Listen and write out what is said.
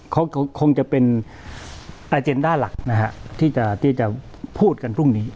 เขาคงจะเป็นอาเจนด้านหลักนะฮะที่จะพูดกันพรุ่งนี้